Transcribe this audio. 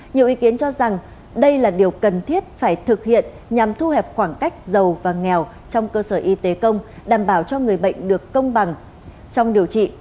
nhiều ý kiến cho rằng đây là điều cần thiết phải thực hiện nhằm thu hẹp khoảng cách giàu và nghèo trong cơ sở y tế công đảm bảo cho người bệnh được công bằng trong điều trị